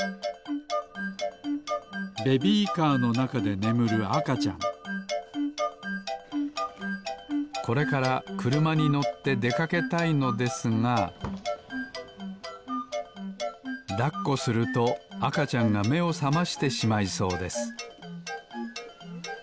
ベビーカーのなかでねむるあかちゃんこれからくるまにのってでかけたいのですがだっこするとあかちゃんがめをさましてしまいそうです